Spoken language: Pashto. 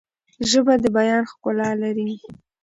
ژبه د بیان ښکلا لري.